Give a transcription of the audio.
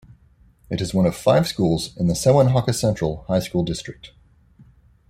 It is one of five schools in the Sewanhaka Central High School District.